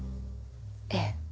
ええ。